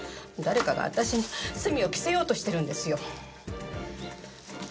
誰かが私に罪を着せようとしてるんですよ。